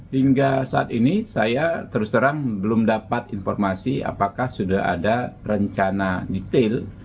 hingga saat ini saya terus terang belum dapat informasi apakah sudah ada rencana detail